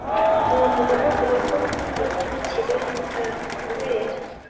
Uwo mugore avuga ko nubwo atuye i Kigali bitamubera